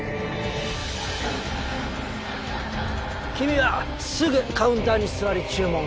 君はすぐカウンターに座り注文。